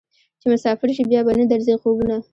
چې مسافر شې بیا به نه درځي خوبونه